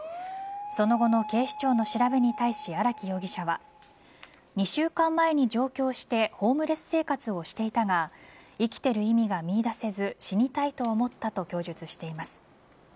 その後の警視庁の調べに対し荒木容疑者は２週間前に上京してホームレス生活をしていたが生きている意味が見いだせず死にたいと思ったと供述しています。